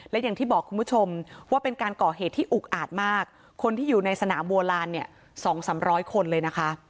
และอย่างที่บอกคุณผู้ชมว่าเป็นการก่อเหตุที่อุกอาจมากคนที่อยู่ในสนามโบราณเนี่ย๒๓๐๐คนเลยนะคะ